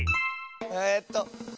えっとえ